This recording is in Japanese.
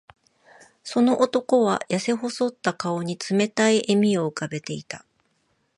その男は、やせ細った顔に冷たい笑みを浮かべていた。